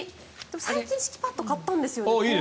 最近敷きパッド買ったんです。